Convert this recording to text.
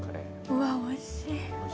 うわっおいしい。